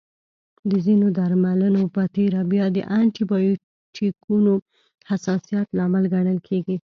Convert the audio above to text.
د ځینو درملنو په تېره بیا د انټي بایوټیکونو حساسیت لامل ګڼل کېږي.